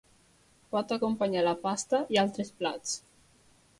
Pot acompanyar la pasta i altres plats.